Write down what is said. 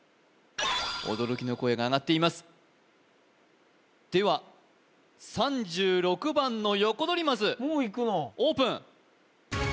驚きの声が上がっていますでは３６番のヨコドリマスオープン